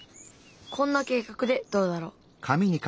こんな計画でどうだろう。